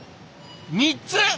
３つ？